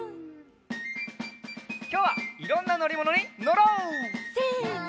きょうはいろんなのりものにのろう！せの。